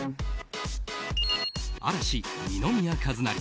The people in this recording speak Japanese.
嵐、二宮和也